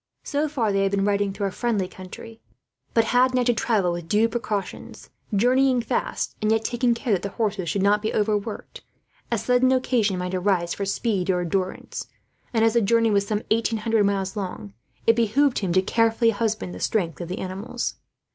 So far they had been riding through a friendly country, but had now to travel with due precautions; journeying fast, and yet taking care that the horses should not be overworked, as sudden occasion might arise for speed or endurance; and as the journey was some eight hundred miles long, it behoved him to carefully husband the strength of the animals.